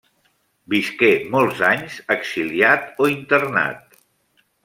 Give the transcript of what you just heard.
Visqué molts anys exiliat o internat.